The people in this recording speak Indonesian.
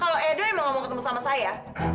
kalau edwardo yang mau ketemu sama saya